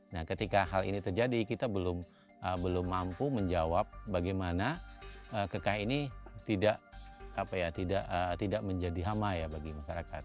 nah ketika hal ini terjadi kita belum mampu menjawab bagaimana kekah ini tidak menjadi hama ya bagi masyarakat